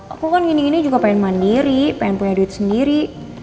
aku kan gini gini juga pengen mandiri pengen punya duit sendiri